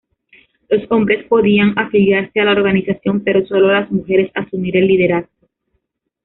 Los hombres podían afiliarse a la organización pero sólo las mujeres asumir el liderazgo.